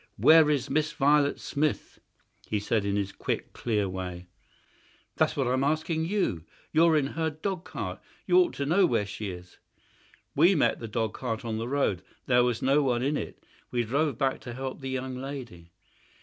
Where is Miss Violet Smith?" he said, in his quick, clear way. "That's what I am asking you. You're in her dog cart. You ought to know where she is." "We met the dog cart on the road. There was no one in it. We drove back to help the young lady."